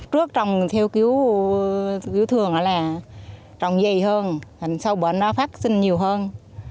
trước trồng theo kiếu thường là trồng dày hơn sau bệnh nó phát sinh nhiều hơn